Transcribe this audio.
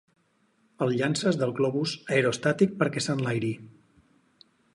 El llances del globus aerostàtic perquè s'enlairi.